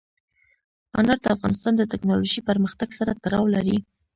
انار د افغانستان د تکنالوژۍ پرمختګ سره تړاو لري.